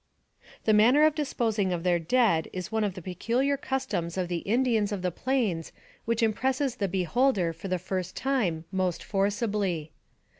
The manner of disposing of their dead is one of the peculiar customs of the Indians of the plains which impresses the beholder for the first time most forcibly.